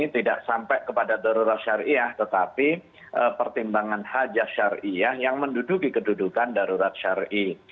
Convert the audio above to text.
tidak sampai kepada darurat syariah tetapi pertimbangan hajah syariah yang menduduki kedudukan darurat syariah